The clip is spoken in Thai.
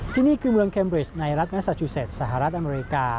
ที่นี่คือเมืองเคมบริชในรัฐเมซาจูเซตสหรัฐอเมริกา